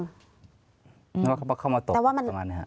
นึกว่าเขามาตบตรงนั้น